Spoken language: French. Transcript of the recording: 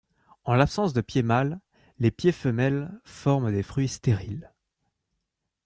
En l'absence de pieds mâles, les pieds femelles forment des fruits stériles.